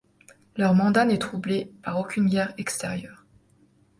Leur mandat n'est troublé par aucune guerre extérieure.